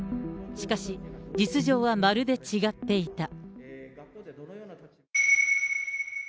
しかし、実情はまるで違っていた。